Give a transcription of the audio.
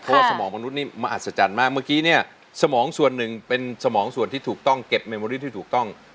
เพราะว่าสมองมนุษย์นี่มหัศจรรย์มากเมื่อกี้เนี่ยสมองส่วนหนึ่งเป็นสมองส่วนที่ถูกต้องเก็บเมมอรี่ที่ถูกต้อง